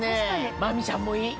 真美ちゃんもいい！